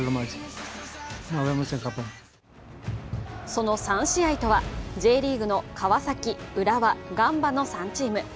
その３試合とは、Ｊリーグの川崎、浦和、ガンバの３チーム。